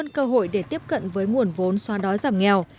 nhiều hơn cơ hội để tiếp cận với nguồn vốn xóa đói giảm nghèo